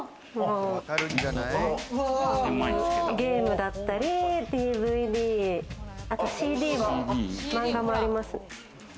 ゲームだったりＤＶＤ、あとＣＤも漫画もあります。